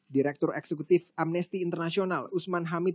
direktur eksekutif amnesty international usman hamid